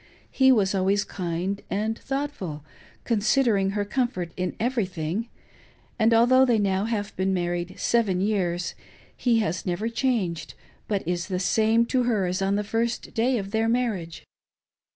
He was always kind and thoughtful, considering her comfort in everything; and although they have now been married seven years, he has never changed, but is the same to her as on the first day of their marriage.